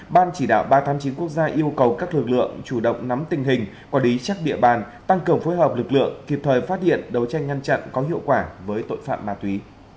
ban chỉ đạo ba trăm tám mươi chín quốc gia yêu cầu các lực lượng chủ động nắm tình hình quản lý chắc địa bàn tăng cường phối hợp lực lượng kịp thời phát hiện đấu tranh ngăn chặn có hiệu quả với tội phạm ma túy